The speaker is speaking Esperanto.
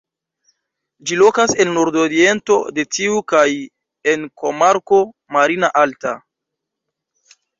Ĝi lokas en nordoriento de tiu kaj en komarko "Marina Alta".